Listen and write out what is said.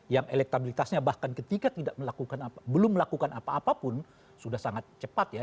yang elektabilitasnya bahkan ketika belum melakukan apa apa pun sudah sangat cepat ya